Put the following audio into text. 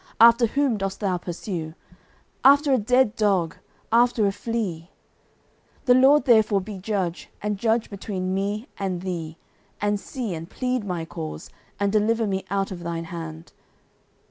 after whom dost thou pursue? after a dead dog, after a flea. 09:024:015 The LORD therefore be judge, and judge between me and thee, and see, and plead my cause, and deliver me out of thine hand.